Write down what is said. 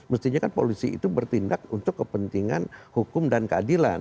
mestinya kan polisi itu bertindak untuk kepentingan hukum dan keadilan